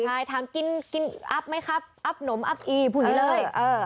ใช่ถามกินอัพไหมครับอัพหนมอัพอีพูดเลย